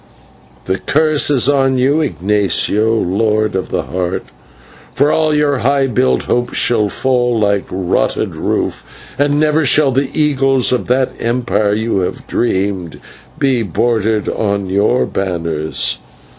"The curse is on you, Ignatio, Lord of the Heart, for all your high built hopes shall fall like a rotted roof, and never shall the eagles of that empire you have dreamed of be broidered on your banners.